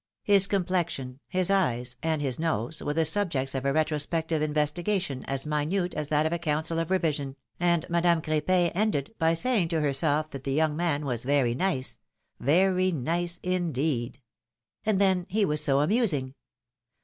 His complexion, his eyes, and his nose were the subjects of a retrospective investigation as minute as that of a council of revision, and Madame Cr^pin ended by saying to herself that the young man was very nice — very nice, indeed ! And then, he was so amusing